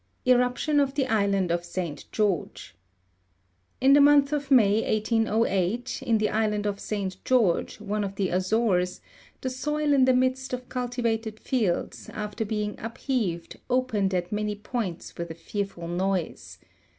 Eruption of the island of Saint George. In tho month of May 1808, in the island of Saint George, one of the Azores, the soil in the midst of culti vated fields after being upheaved opened at many points with a fearful noise.